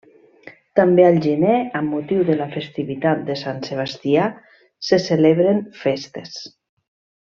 També al gener, amb motiu de la festivitat de Sant Sebastià, se celebren festes.